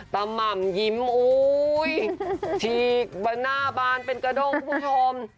ตามหม่ำยิ้มทีมินหน้าบ้านเป็นกระจ้งคุณพุทธความทรง